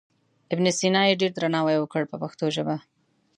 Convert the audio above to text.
ابن سینا یې ډېر درناوی وکړ په پښتو ژبه.